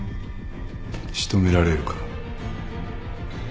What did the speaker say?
仕留められるか？